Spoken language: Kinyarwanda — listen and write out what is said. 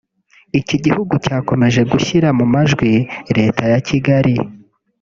Iki gihugu cyakomeje gushyira mu majwi Leta ya Kigali